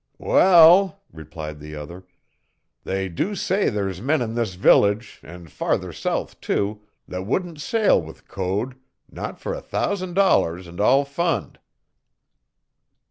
"Wal," replied the other, "they do say there's men in this village, and farther south, too, that wouldn't sail with Code, not fer a thousand dollars and all f'und."